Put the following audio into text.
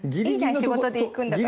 仕事で行くんだから。